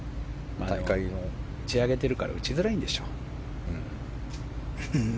打ち上げてるから打ちづらいんでしょう。